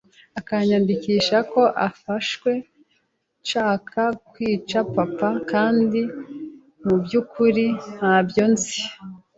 akanyandikisha ko amfashe nshaka kwica papa kandi mu byukuri ntabyo nzi